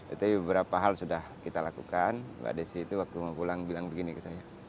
itu beberapa hal sudah kita lakukan mbak desi itu waktu mau pulang bilang begini ke saya